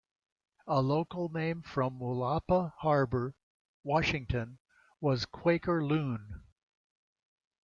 A local name from Willapa Harbor, Washington was "Quaker loon".